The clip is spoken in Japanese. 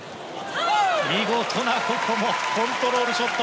見事なここもコントロールショット。